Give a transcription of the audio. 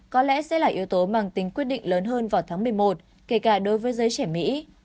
có lẽ sẽ là yếu tố mang tính quyết định lớn hơn vào tháng một mươi một kể cả đối với giới trẻ mỹ